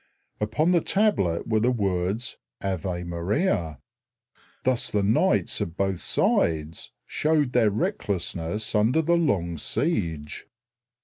Upon the tablet were the words, "Ave Maria." Thus the knights of both sides showed their recklessness under the long siege.